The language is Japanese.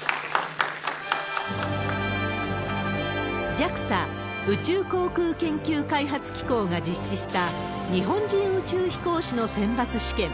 ＪＡＸＡ・宇宙航空研究開発機構が実施した日本人宇宙飛行士の選抜試験。